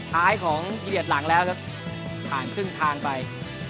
ท้ายของเหยียดหลังแล้วครับผ่านครึ่งทางไป